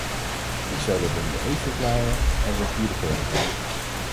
Ik zou dat onder eed verklaren, als dat hier de gewoonte was.